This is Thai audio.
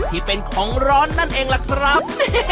ที่เป็นของร้อนนั่นเองล่ะครับ